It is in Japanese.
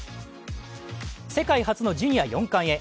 世界初のジュニア４冠へ。